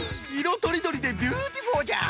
とりどりでビューティフォーじゃ！